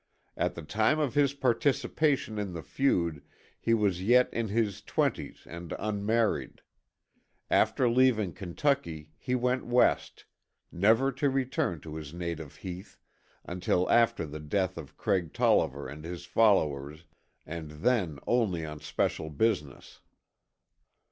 At the time of his participation in the feud he was yet in his twenties and unmarried. After leaving Kentucky he went West, never to return to his native heath until after the death of Craig Tolliver and his followers, and then only on special business.